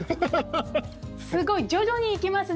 すごい！徐々に来ますね！